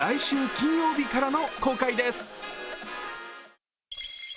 映画は来週金曜日からの公開です。